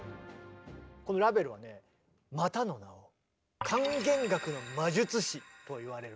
このラヴェルはねまたの名を「管弦楽の魔術師」といわれるんですね。